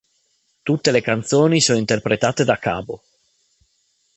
Tutte le canzoni sono interpretate da Cabo.